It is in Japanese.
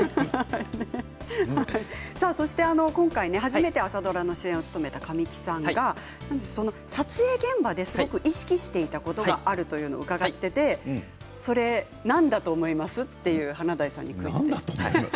そして今回、初めて朝ドラの主演を務めた神木さんが撮影現場ですごく意識していたことがあるというのを伺っていて何だと思います？という華大さんにクイズです。